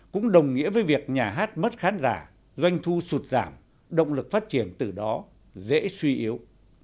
cũng đồng nghĩa với việc nhà hát mất khán giả doanh thu sụt giảm động lực phát triển từ đó dễ suy yếu